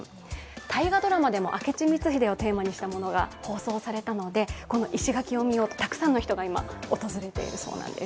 大河ドラマでも明智光秀をテーマにしたものが放送されたので石垣を見ようとたくさんの人が今訪れているそうなんです。